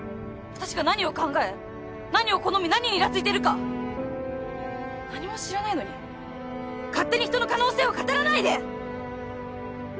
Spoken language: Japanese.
私が何を考え何を好み何にイラついてるか何も知らないのに勝手に人の可能性を語らないで！